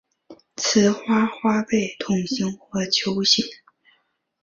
雌花花被筒形或球形。